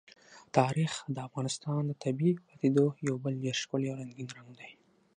تاریخ د افغانستان د طبیعي پدیدو یو بل ډېر ښکلی او رنګین رنګ دی.